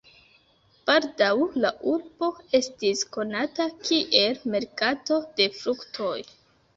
Baldaŭ la urbo estis konata kiel merkato de fruktoj.